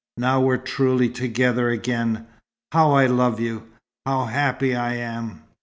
"Now we're truly together again. How I love you! How happy I am!"